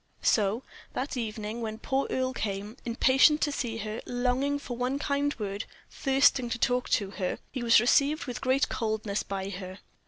So that evening, when poor Earle came, impatient to see her, longing for one kind word, thirsting to talk to her, he was received with great coldness by her.